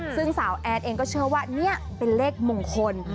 ซึ่งสาวแอดเองก็เชื่อว่านี่เป็นเลขมงคล